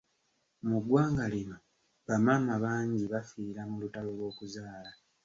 Mu ggwanga lino ba maama bangi bafiira mu lutalo lw'okuzaala.